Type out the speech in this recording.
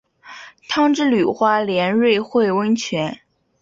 汤之旅花莲瑞穗温泉